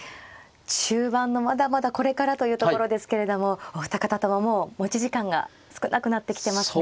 中盤のまだまだこれからというところですけれどもお二方とももう持ち時間が少なくなってきてますね。